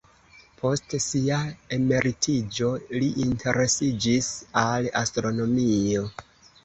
Post sia emeritiĝo li interesiĝis al astronomio.